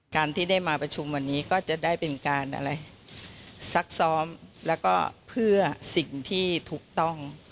การที่ได้มาประชุมวันนี้ก็จะได้เป็นการอะไรซักซ้อมแล้วก็เพื่อสิ่งที่ถูกต้อง